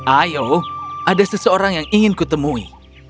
ayo ada seseorang yang ingin kutemui